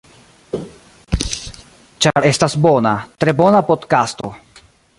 Ĉar estas bona, tre bona podkasto.